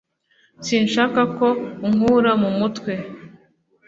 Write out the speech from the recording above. Sinshaka ko unkura mu mutwe